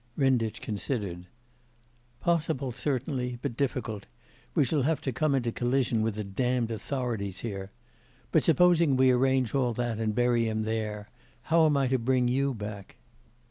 Renditch considered: 'Possible certainly, but difficult. We shall have to come into collision with the damned authorities here. But supposing we arrange all that and bury him there, how am I to bring you back?